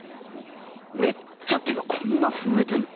めっちゃ手がこんな震えてんの。